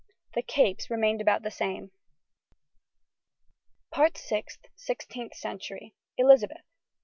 The capes remained about the same. SIXTEENTH CENTURY. ELIZABETH.